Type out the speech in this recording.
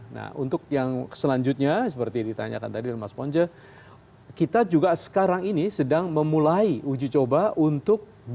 nah untuk yang selanjutnya seperti ditanyakan tadi dan mas ponje kita juga sekarang ini sedang memulai uji coba untuk